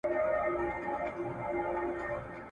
چا غړومبی ورته کاوه چا اتڼونه ..